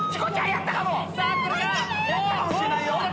やったかもしれないよ！